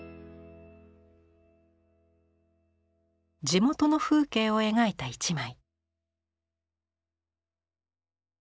地元の風景を描いた一枚。